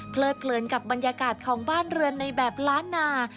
เลิดเพลินกับบรรยากาศของบ้านเรือนในแบบล้านนา